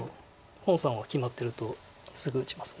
洪さんは決まってるとすぐ打ちます。